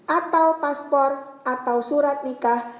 atau paspor atau surat nikah